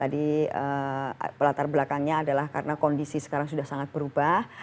tadi latar belakangnya adalah karena kondisi sekarang sudah sangat berubah